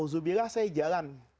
uzzubillah saya jalan